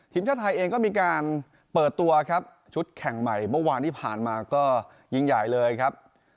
ทีมชาติไทยเองก็มีการเปิดตัวครับชุดแข่งใหม่เมื่อวานที่ผ่านมาก็ยิ่งใหญ่เลยครับ